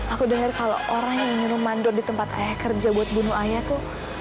aku dengar kalau orang yang minum mandur di tempat ayah kerja buat bunuh ayah tuh